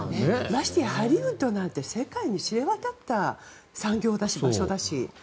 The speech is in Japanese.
ましてやハリウッドなんて世界に知れ渡った産業だし場所だし。